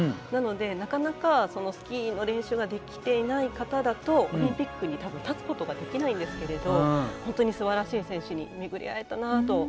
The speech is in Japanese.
なので、なかなかスキーの練習ができていない方だとオリンピックに立つことができないんですけれど本当にすばらしい選手に巡り会えたなと。